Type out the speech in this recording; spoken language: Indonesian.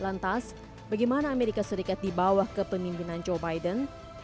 lantas bagaimana amerika serikat dibawah kepemimpinan joe biden